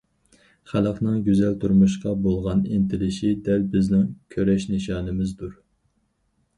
خەلقنىڭ گۈزەل تۇرمۇشقا بولغان ئىنتىلىشى دەل بىزنىڭ كۈرەش نىشانىمىزدۇر.